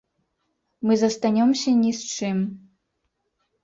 Мы застанёмся ні з чым.